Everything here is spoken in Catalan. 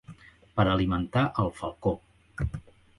Per alimentar al falcó.